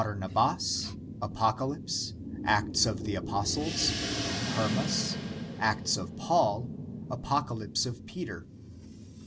the order is Barnabas, Apocalypse, Acts of the Apostles, Hernias, Acts of Paul, Apocalypse of Peter.